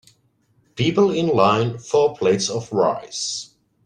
People in line for plates of rice